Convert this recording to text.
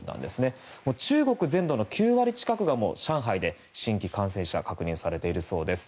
中国全土の９割近くが上海で新規感染者が確認されているそうです。